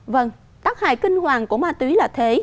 vâng tác hại kinh hoàng của ma túy là thế